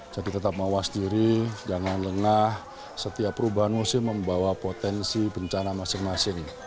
jadi tetap mewas diri jangan lengah setiap perubahan musim membawa potensi bencana masing masing